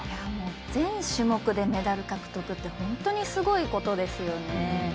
全種目でメダル獲得って本当にすごいことですよね。